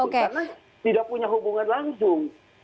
karena tidak punya hubungan langsung